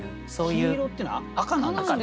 「緋色」っていうのは赤なんですね。